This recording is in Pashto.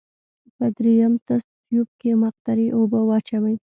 په دریم تست تیوب کې مقطرې اوبه واچوئ.